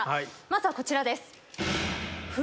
まずはこちらです。